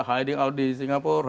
hiding out di singapura